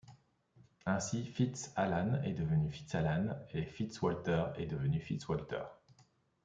Ainsi, fitz Alan est devenu Fitzalan et fitz Walter est devenu Fitzwalter.